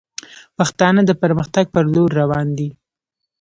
پښتانه د پرمختګ پر لور روان دي